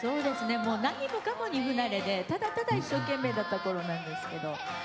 もう何もかもに不慣れでただただ一生懸命だった頃なんですけど。